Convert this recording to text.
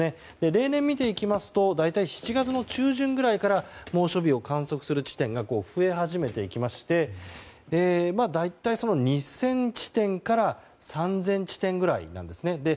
例年を見ていきますと大体７月の中旬ぐらいから猛暑日を観測する地点が増え始めていきまして大体２０００地点から３０００地点ぐらいなんです。